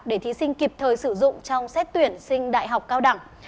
để thí sinh kịp thời sử dụng trong xét tuyển sinh đại học cao đẳng